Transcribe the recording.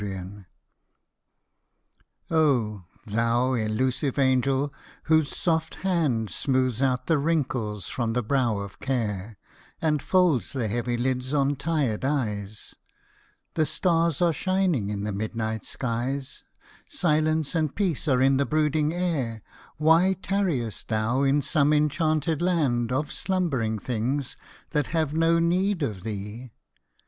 SLEEP. H, thou elusive angel, whose soft hand Smooths out the wrinkles from the brow of care, And folds the heavy lids on tired eyes :— The stars are shining in the midnight skies, Silence and peace are in the brooding air :— Why tarriest thou in some enchanted land, Of slumbering things that have no need of thee